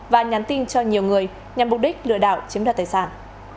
và nhắn tin cho nhiều người nhằm mục đích lừa đảo chiếm đoạt tài sản